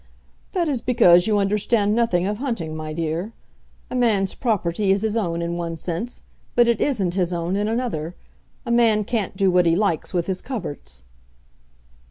"That is because you understand nothing of hunting, my dear. A man's property is his own in one sense, but isn't his own in another. A man can't do what he likes with his coverts."